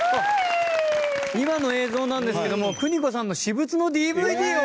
今の映像なんですけども邦子さんの私物のＤＶＤを。